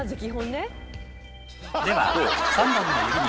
「では３本の指に」